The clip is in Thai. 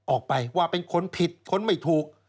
ออกไปว่าเป็นคนผิดคนไม่ถูก